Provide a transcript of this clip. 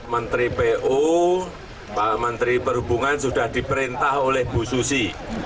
menteri pu pak menteri perhubungan sudah diperintah oleh bu susi